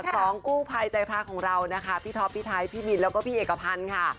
ของกู้ภัยใจพระของเรานะคะพี่ท็อปพี่ไทยพี่บินแล้วก็พี่เอกพันธ์ค่ะ